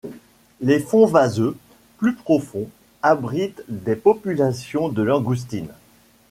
Les fonds vaseux, plus profonds, abritent des populations de langoustine.